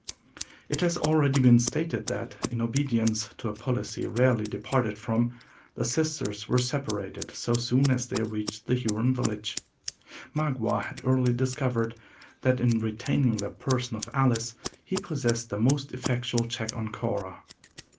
It has been already stated that, in obedience to a policy rarely departed from, the sisters were separated so soon as they reached the Huron village. Magua had early discovered that in retaining the person of Alice, he possessed the most effectual check on Cora.